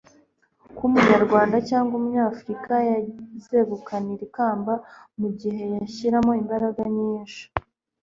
ko umunyarwanda cyangwa umunyafurika yazegukana iri kamba mu gihe yashyiramo imbaraga nyinshi